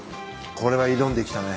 これは挑んできたね。